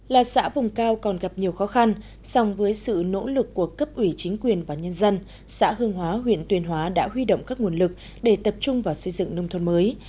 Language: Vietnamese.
là xã vùng cao còn gặp nhiều khó khăn song với sự nỗ lực của cấp ủy chính quyền và nhân dân xã hương hóa huyện tuyên hóa đã huy động các nguồn lực để tập trung vào xây dựng nông thôn mới